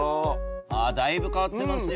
あっだいぶ変わってますよ。